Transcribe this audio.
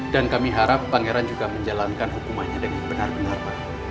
dan kami harap pangeran juga menjalankan hukumannya dengan benar benar baik